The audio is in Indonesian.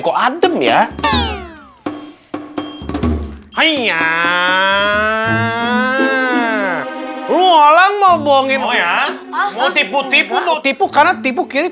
kok adem ya hai nya lu orang mau bohongin oh ya mau tipu tipu tipu karena tipu kiri